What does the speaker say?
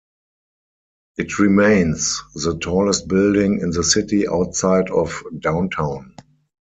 It remains the tallest building in the city outside of Downtown.